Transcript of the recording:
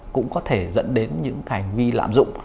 cũng có thể dẫn đến những hành vi lạm dụng